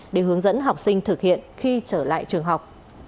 để hướng dẫn học sinh thực hiện khi trở lại trường học